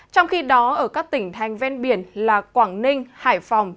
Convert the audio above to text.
trong khi đó ở các tỉnh thành ven biển là quảng ninh hải phòng